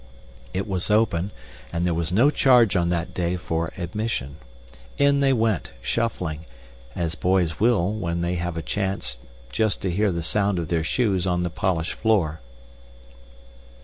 It was open, and there was no charge on that day for admission. In they went, shuffling, as boys will when they have a chance, just to hear the sound of their shoes on the polished floor.